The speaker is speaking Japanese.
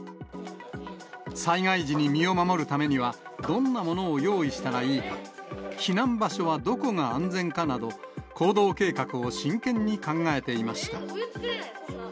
災害時に身を守るためには、どんなものを用意したらいいか、避難場所はどこが安全かなど、行動計画を真剣に考えていました。